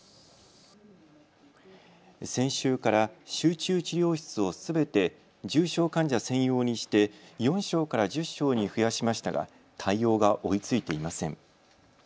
先週から集中治療室をすべて重症患者専用にして４床から１０床に増やしましたが対応が追いついていません。